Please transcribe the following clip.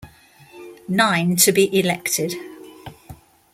Nine to be elected.